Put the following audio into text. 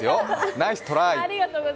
ナイス・トライ！